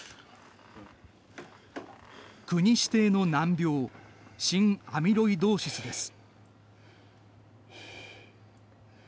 国指定の難病心アミロイドーシスです。